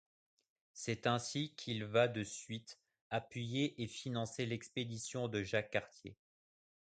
C'est ainsi qu'il va de suite appuyer et financer l'expédition de Jacques Cartier.